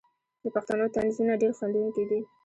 د پښتنو طنزونه ډیر خندونکي دي.